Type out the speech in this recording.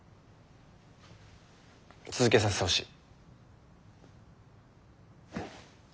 続けさせてほしい。